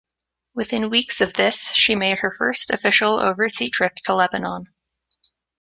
Within weeks of this she made her first official overseas trip to Lebanon.